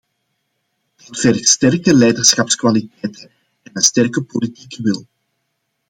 Dat vergt sterke leiderschapskwaliteiten en een sterke politieke wil.